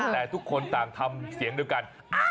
แต่ทุกคนต่างทำเสียงเดียวกัน